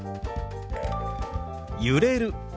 「揺れる」。